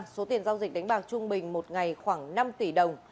số tiền giao dịch đánh bạc trung bình một ngày khoảng năm tỷ đồng